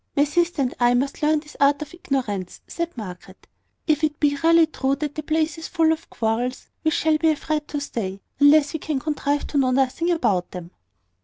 "My sister and I must learn his art of ignorance," said Margaret. "If it be really true that the place is full of quarrels, we shall be afraid to stay, unless we can contrive to know nothing about them."